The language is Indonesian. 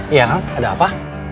iya kang ada apa